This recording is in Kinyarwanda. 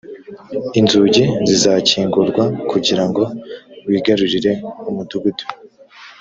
inzugi zizakingurwa kugira ngo wigarurire umudugudu